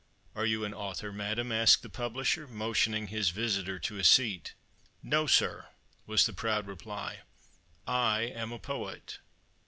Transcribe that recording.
"Are you an author, madam?" asked the publisher, motioning his visitor to a seat. "No, sir," was the proud reply, "I am a poet."